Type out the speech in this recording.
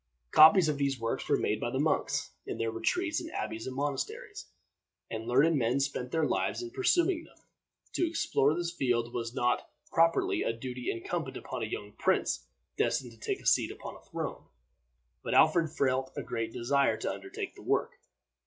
Copies of these works were made by the monks, in their retreats in abbeys and monasteries, and learned men spent their lives in perusing them. To explore this field was not properly a duty incumbent upon a young prince destined to take a seat upon a throne, but Alfred felt a great desire to undertake the work.